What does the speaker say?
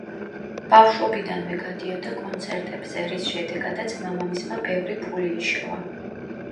ბავშვობიდანვე გადიოდა კონცერტებზე რის შედეგადაც მამამისმა ბევრი ფული იშოვა.